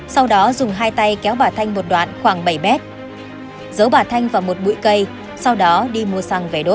sau đó dùng hai tay kéo bà thanh một đoạn khoảng bảy mét giấu bà thanh và một bụi cây sau đó đi mua xăng về đốt